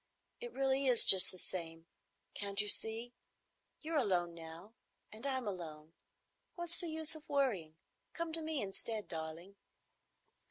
It really is just the same. Can't you see? You're alone now and I'm alone. What's the use of worrying? Come to me instead, darling."